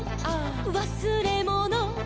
「わすれもの」「」